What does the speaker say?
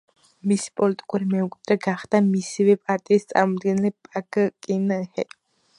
მისი პოლიტიკური მემკვიდრე გახდა მისივე პარტიის წარმომადგენელი პაკ კინ ჰე.